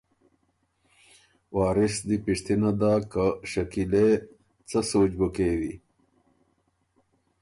وارث دی پِشتِنه داک که ”شکیلے! ـــ څۀ سوچ بُو کېوی“